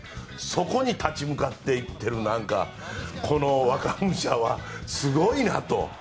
そこに立ち向かっていってるこの若武者は、すごいなと。